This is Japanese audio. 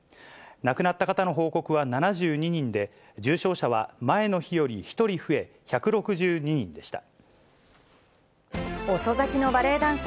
亡くなった方の報告は７２人で、重症者は前の日より１人増え、１６２人でした。